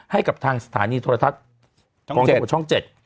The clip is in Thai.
ให้กับทางสถานีโทรทักษณ์ช่อง๗